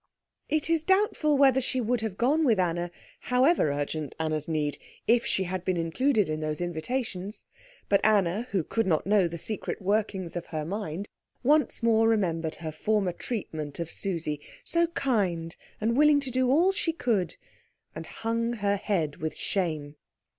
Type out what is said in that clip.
It is doubtful whether she would have gone with Anna, however urgent Anna's need, if she had been included in those invitations. But Anna, who could not know the secret workings of her mind, once more remembered her former treatment of Susie, so kind and willing to do all she could, and hung her head with shame.